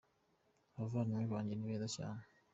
Abavandimwe banjye ni beza cyane.